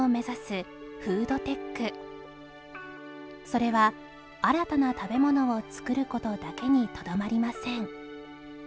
それは新たな食べ物を作る事だけにとどまりません